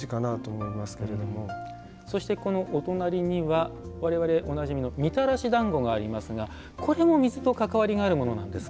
そして、そのお隣には我々おなじみのみたらし団子がありますがこれも水と関わりがあるものなんですか。